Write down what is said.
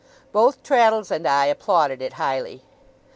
Both Traddles and I applauded it highly.